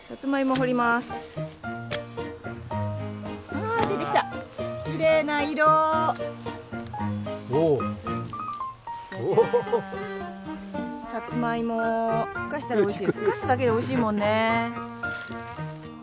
ふかすだけでおいしいもんね。